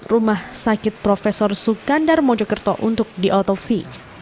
rumah sakit prof sukandar mojokerto untuk diotopsi